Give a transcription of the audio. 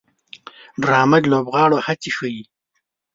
ډرامه د لوبغاړو هڅې ښيي